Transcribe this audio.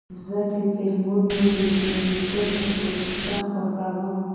زه د فلمونو د جوړېدو پروسه خوښوم.